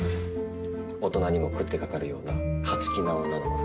大人にも食ってかかるような勝ち気な女の子だって。